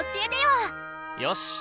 よし！